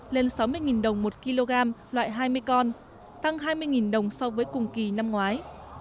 lên sáu mươi đồng một kg loại hai mươi con tăng hai mươi đồng so với cùng kỳ năm ngoái